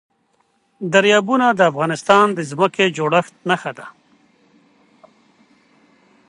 دریابونه د افغانستان د ځمکې د جوړښت نښه ده.